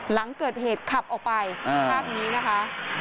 หลังเกิดเหตุขับออกไปภาพนี้นะคะ